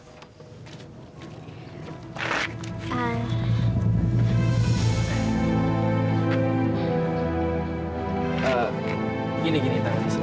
gini gini tak ada masalah